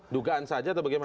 dugaan saja atau bagaimana